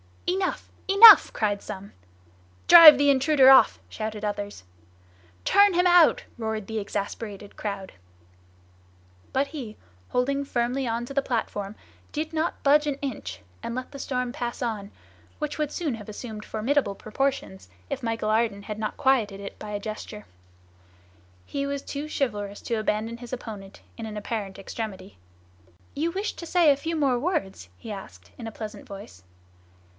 "Enough! enough!" cried some. "Drive the intruder off!" shouted others. "Turn him out!" roared the exasperated crowd. But he, holding firmly on to the platform, did not budge an inch, and let the storm pass on, which would soon have assumed formidable proportions, if Michel Ardan had not quieted it by a gesture. He was too chivalrous to abandon his opponent in an apparent extremity. "You wished to say a few more words?" he asked, in a pleasant voice.